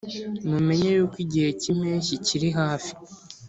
mumenya yuko igihe cy impeshyi kiri hafi